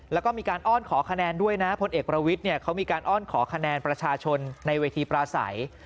แล้วก็มีการอ้อนขอคะแนนด้วยนะพลเอกประวิทย์เขามีการอ้อนขอคะแนนประชาชนในเวทีปราศัย